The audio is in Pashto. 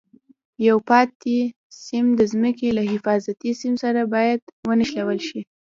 یو پاتې سیم د ځمکې له حفاظتي سیم سره باید ونښلول شي.